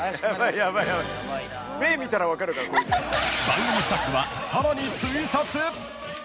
［番組スタッフはさらにツイサツ］